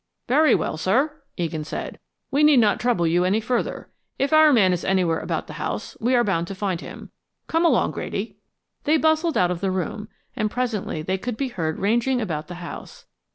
"Very well, sir," Egan said. "We need not trouble you any further. If our man is anywhere about the house, we are bound to find him. Come along, Grady." They bustled out of the room, and presently they could be heard ranging about the house.